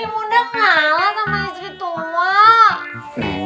masa istri muda ngalah sama istri tua